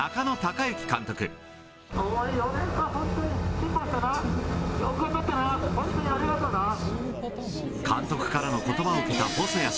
よく頑張ったな、監督からのことばを受けた細谷翔